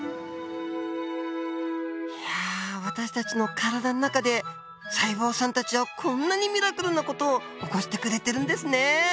いや私たちの体の中で細胞さんたちはこんなにミラクルな事を起こしてくれてるんですね。